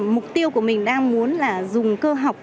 mục tiêu của mình đang muốn là dùng cơ học